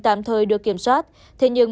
tạm thời được kiểm soát thế nhưng